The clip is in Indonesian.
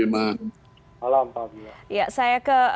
selamat malam pak bima